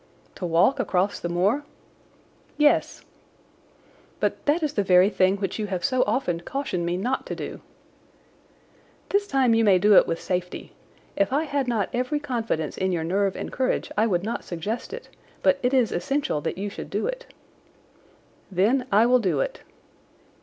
"To walk across the moor?" "Yes." "But that is the very thing which you have so often cautioned me not to do." "This time you may do it with safety. If I had not every confidence in your nerve and courage I would not suggest it, but it is essential that you should do it." "Then I will do it."